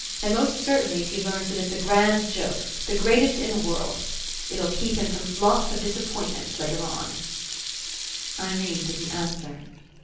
And most certainly if he learns that it's a grand joke, the greatest in the world. It'll keep him from lots of disappointments later on." 105 PASSING Irene didn't answer.